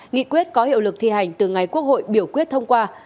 nghị quyết có hiệu lực thi hành từ ngày quốc hội biểu quyết thông qua